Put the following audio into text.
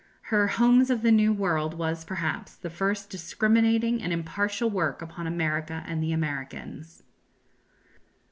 Her "Homes of the New World" was, perhaps, the first discriminating and impartial work upon America and the Americans.